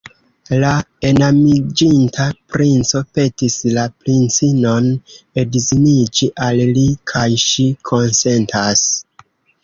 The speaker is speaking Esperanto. La enamiĝinta princo petis la princinon edziniĝi al li, kaj ŝi konsentas.